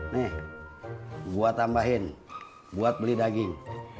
nih buat tambahin buat beli daging